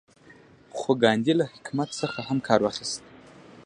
خو ګاندي له حکمت څخه هم کار اخیست.